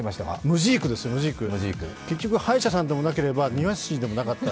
ムジークですよ、結局歯医者さんでもなければ、庭師でもなかった。